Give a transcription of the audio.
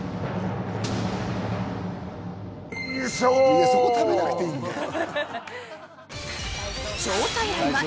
いやそこためなくていいんだよ。